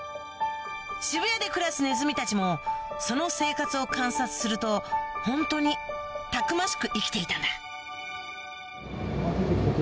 渋谷で暮らすネズミたちもその生活を観察するとホントにたくましく生きていたんだ